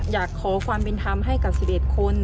อยากขอความเป็นธรรมให้กับ๑๑คน